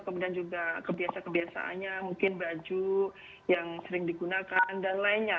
kemudian juga kebiasaan kebiasaannya mungkin baju yang sering digunakan dan lainnya